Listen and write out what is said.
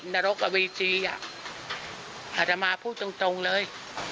นรกกับวีจีอ่ะอาจจะมาพูดตรงเลย